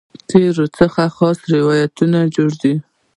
تېر څخه خاص روایت جوړوي.